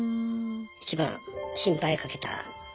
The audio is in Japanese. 一番心配かけた。